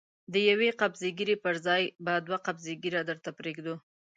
د يوې قبضې ږيرې پر ځای به دوې قبضې ږيره درته پرېږدو.